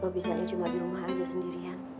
lo biasanya cuma di rumah aja sendirian